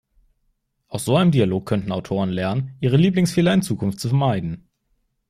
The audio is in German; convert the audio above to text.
Aus so einem Dialog könnten Autoren lernen, ihre Lieblingsfehler in Zukunft zu vermeiden.